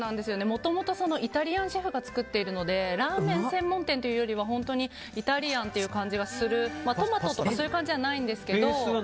もともとイタリアンシェフが作っているのでラーメン専門店というよりはイタリアンという感じがするトマトとかそういう感じじゃないんですけど。